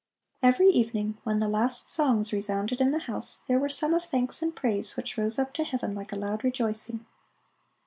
Every evening, when the last songs resounded in the house, there were some of thanks and praise which rose up to Heaven like a loud rejoicing.